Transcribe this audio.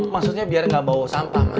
maksudnya biar nggak bawa sampah